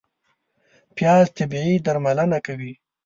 پیاز طبیعي درملنه کوي